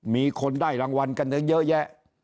มีคนได้รางวัลกันเยอะแยะ